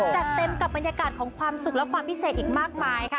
จัดเต็มกับบรรยากาศของความสุขและความพิเศษอีกมากมายค่ะ